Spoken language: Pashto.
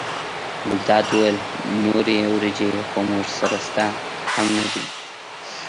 ګلداد وویل نورې وریجې خو موږ سره شته هم نه دي.